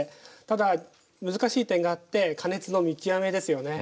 ただ難しい点があって「加熱の見極め」ですよね。